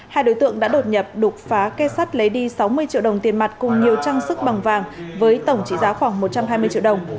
hai đối tượng đã đột nhập đục phá cây sắt lấy đi sáu mươi triệu đồng tiền mặt cùng nhiều trang sức bằng vàng với tổng trị giá khoảng một trăm hai mươi triệu đồng